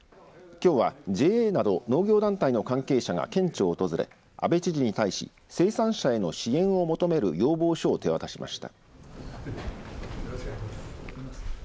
きょうはＪＡなど農業団体の関係者が県庁を訪れ阿部知事に対し生産者への支援を求める要望書を手渡しました。